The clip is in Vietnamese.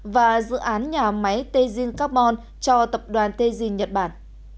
và dự án nhà máy tejin carbon cho tập đoàn tejin nhật bản